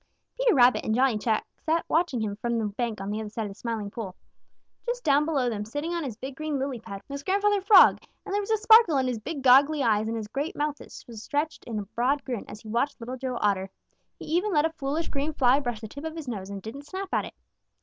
Peter Rabbit and Johnny Chuck sat watching him from the bank on the other side of the Smiling Pool. Right down below them, sitting on his big green lily pad, was Grandfather Frog, and there was a sparkle in his big, goggly eyes and his great mouth was stretched in a broad grin as he watched Little Joe Otter. He even let a foolish green fly brush the tip of his nose and didn't snap at it.